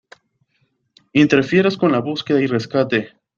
¡ Interfieres con la búsqueda y rescate!